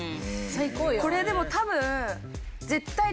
これでも多分。